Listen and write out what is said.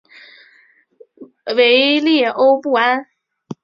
维列欧布安。